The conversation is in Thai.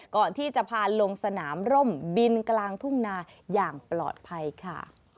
ก่อนที่จะพาลงสนามร่มบินกลางทุ่งนาอย่างปลอดภัยค่ะ